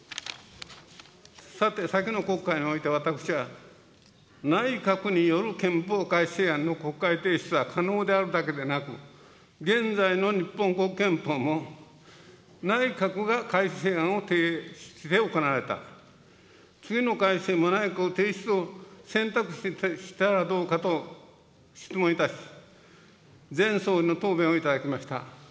さて、先の国会において私は、内閣による憲法改正案の国会提出は可能であるだけでなく、現在の日本国憲法も、内閣が改正案を提出して行われた、次の改正も内閣提出を選択肢にしたらどうかと質問いたし、前総理の答弁をいただきました。